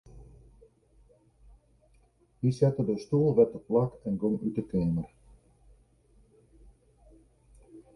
Hy sette de stoel wer teplak en gong út 'e keamer.